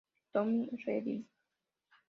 Tommy Redding